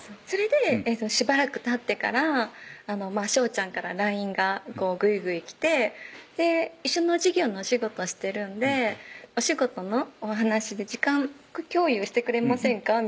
それでしばらくたってから翔ちゃんからＬＩＮＥがグイグイ来て一緒の事業のお仕事してるんで「お仕事のお話で時間共有してくれませんか？」